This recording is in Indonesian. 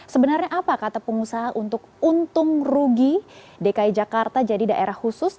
sebenarnya apa kata pengusaha untuk untung rugi dki jakarta jadi daerah khusus